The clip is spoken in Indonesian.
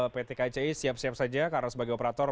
pt kci siap siap saja karena sebagai operator